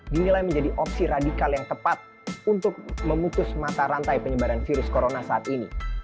dinilai menjadi opsi radikal yang tepat untuk memutus mata rantai penyebaran virus corona saat ini